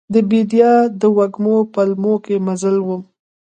د بیدیا د وږمو پلونو کې مزل وم